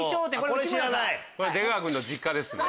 これ出川君の実家ですね。